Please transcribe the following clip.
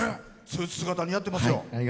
スーツ姿、似合ってるよ。